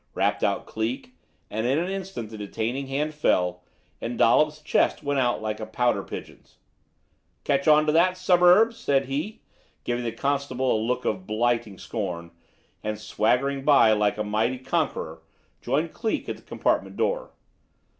rapped out Cleek; and in an instant the detaining hand fell, and Dollops' chest went out like a pouter pigeon's. "Catch on to that, Suburbs?" said he, giving the constable a look of blighting scorn; and, swaggering by like a mighty conqueror, joined Cleek at the compartment door.